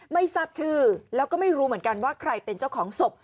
ไม่ทราบชื่อแล้วก็ไม่รู้เหมือนกันว่าใครเป็นเจ้าของศพ